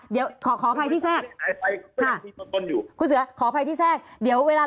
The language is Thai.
บริษัทมีการที่แจ้งอีกตัวเวลา